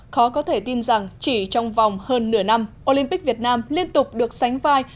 khó có thể tin rằng chỉ trong vòng hơn nửa năm olympic việt nam liên tục được sánh vai